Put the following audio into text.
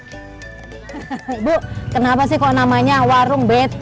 ibu kenapa sih kok namanya warung bete